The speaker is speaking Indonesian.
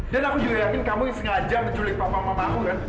dan aku juga yakin kamu yang sengaja menculik papa mama aku kan